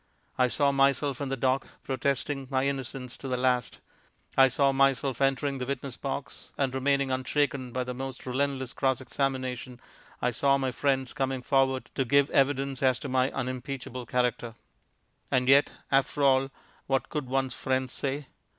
I saw myself in the dock, protesting my innocence to the last; I saw myself entering the witness box and remaining unshaken by the most relentless cross examination; I saw my friends coming forward to give evidence as to my unimpeachable character.... And yet, after all, what could one's friends say?